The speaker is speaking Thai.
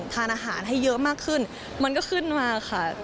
ทานอาหารให้เยอะมากขึ้นมันก็ขึ้นมาค่ะ